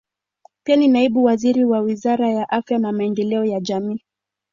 Pia ni naibu waziri wa Wizara ya Afya na Maendeleo ya Jamii.